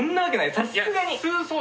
さすがに。